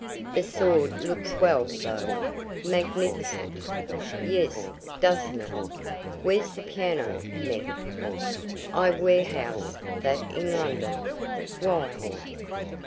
"The sword looks well, though." "Magnificent." "Yes, doesn't it?" "Where's the piano, Meg?" "I warehoused that in London. Why?"